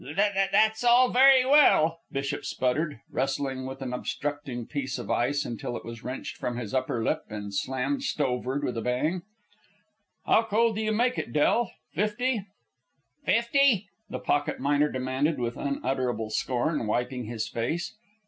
"Th th that's all very well," Bishop spluttered, wrestling with an obstructing piece of ice until it was wrenched from his upper lip and slammed stoveward with a bang. "How cold do you make it, Del? Fifty?" "Fifty?" the pocket miner demanded with unutterable scorn, wiping his face.